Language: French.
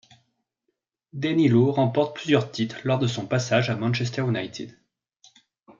Denis Law remporte plusieurs titres lors de son passage à Manchester United.